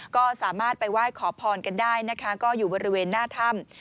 ก็สามารถไปไหว้ขอพรกันได้นะคะก็อยู่บริเวณหน้าถ้ำ